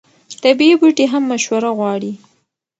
طبیعي بوټي هم مشوره غواړي.